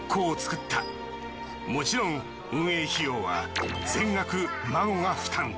もちろん運営費用は全額ＭＡＧＯが負担。